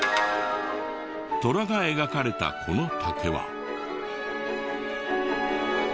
寅が描かれたこの竹は。